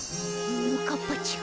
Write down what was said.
ももかっぱちゃん。